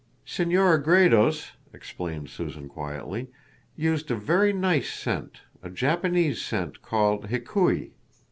"Senora Gredos," explained Susan quietly, "used a very nice scent a Japanese scent called Hikui.